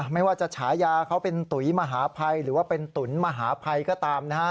ไม่ว่าจะฉายาเขาเป็นตุ๋ยมหาภัยหรือว่าเป็นตุ๋นมหาภัยก็ตามนะฮะ